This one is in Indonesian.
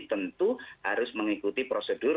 tentu harus mengikuti prosedur